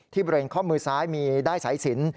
บริเวณข้อมือซ้ายมีด้ายสายสิน